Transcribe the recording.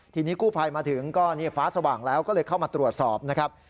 ทีนี้กู้ภัยมาถึงก็ฟ้าสว่างแล้วก็เลยเข้ามาตรวจสอบนะครับ